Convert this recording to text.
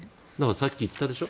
さっき言ったでしょ。